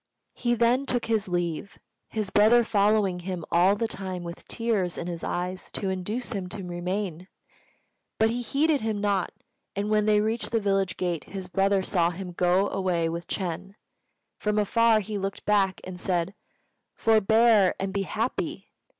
He then took his leave, his brother following him all the time with tears in his eyes to induce him to remain. But he heeded him not; and when they reached the village gate his brother saw him go away with Ch'êng. From afar he looked back and said, "Forbear, and be happy!"